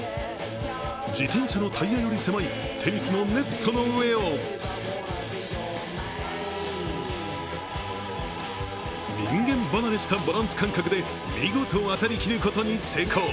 自転車のタイヤより狭いテニスのネットの上を人間離れしたバランス感覚で見事渡りきることに成功。